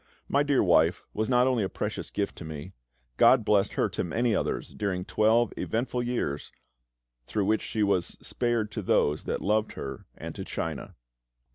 My dear wife was not only a precious gift to me; GOD blessed her to many others during the twelve eventful years through which she was spared to those that loved her and to China.